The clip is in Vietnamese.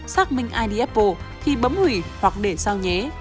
xác minh id apple thì bấm hủy hoặc để sao nhé